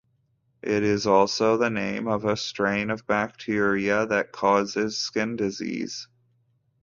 It is also the name of a strain of bacteria that causes skin disease.